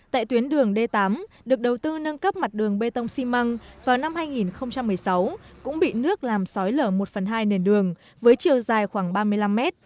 tại tuyến đường d tám được đầu tư nâng cấp mặt đường bê tông xi măng vào năm hai nghìn một mươi sáu cũng bị nước làm sói lở một phần hai nền đường với chiều dài khoảng ba mươi năm mét